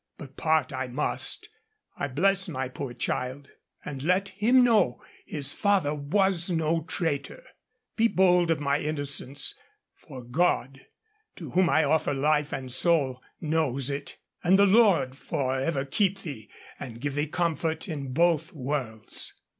But part I must.... I bless my poor child; and let him know his father was no traitor. Be bold of my innocence, for God to whom I offer life and soul knows it.... And the Lord for ever keep thee, and give thee comfort in both worlds.